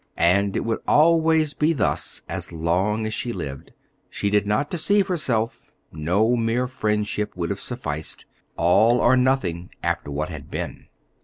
And it would always be thus as long as she lived. She did not deceive herself; no mere friendship would have sufficed, all or nothing after what had been.